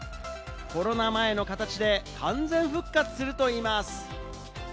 コロナ前の形で完全復活するといいます。